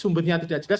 sumbernya tidak jelas